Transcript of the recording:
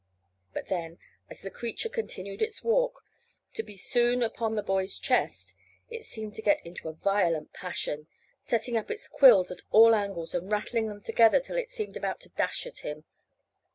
But then as the creature continued its walk, to be soon upon the boy's chest, it seemed to get into a violent passion, setting up its quills at all angles and rattling them together till it seemed about to dash at him.